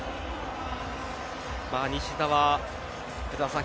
西田は、福澤さん